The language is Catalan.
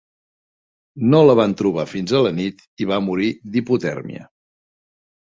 No la van trobar fins a la nit i va morir d'hipotèrmia.